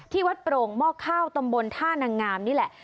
ที่วัดโปร่งหม้อข้าวตำบลท่านางงามนี่แหละ